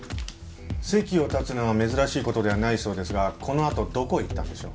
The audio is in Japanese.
席を立つのは珍しい事ではないそうですがこのあとどこへ行ったんでしょう？